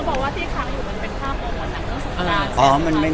เขาบอกว่าที่ค้างอยู่มันเป็นค่าประวัติศาสตร์